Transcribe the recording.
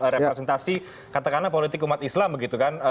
representasi katakanlah politik umat islam begitu kan